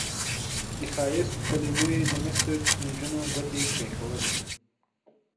د ښایست په لیدو یې د مصر نجونو ګوتې پرې کولې.